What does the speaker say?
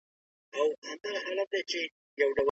سياست پوهنه د بشري ژوند په هر ډګر کي شتون لري.